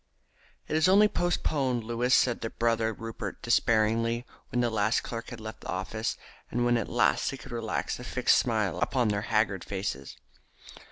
"It is only postponed. Louis," said brother Rupert despairingly, when the last clerk had left the office, and when at last they could relax the fixed smile upon their haggard faces.